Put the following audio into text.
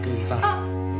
あっ！？